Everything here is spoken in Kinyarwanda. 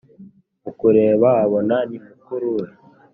mukureba abona ni mukuruwe